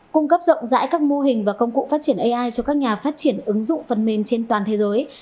cung cấp rộng rãi các mô hình và công cụ phát triển ai cho các nhà phát triển ứng dụng phần mềm trên toàn thế giới